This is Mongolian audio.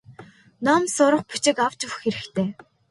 Ном сурах бичиг авч өгөх хэрэгтэй.